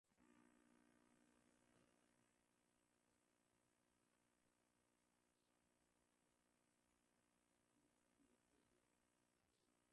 na tatu Ngoma ya Wamasai Eunoto sherehe ya kubalehe kwa mpiganaji inaweza kuhusisha siku